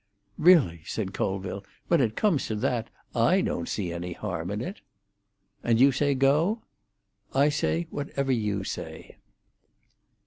"Really," said Colville, "when it comes to that, I don't see any harm in it." "And you say go?" "I say whatever you say."